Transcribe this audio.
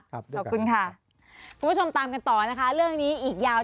ขอบคุณค่ะคุณผู้ชมตามกันต่อนะคะเรื่องนี้อีกยาว